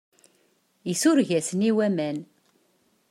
Isureg-asen i waman.